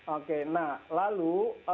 oke nah lalu